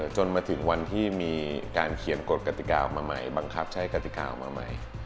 จนมาถึงวันที่มีการเขียนกฎกติกาออกมาใหม่บังคับใช้กติกาออกมาใหม่